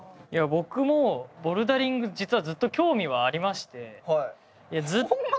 僕もボルダリング実はずっと興味はありましてずっと。